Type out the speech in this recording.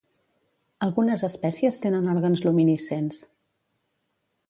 Algunes espècies tenen òrgans luminescents.